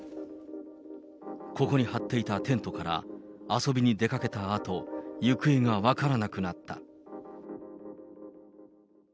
ここに張っていたテントから遊びに出かけたあと、行方が分からなくなった。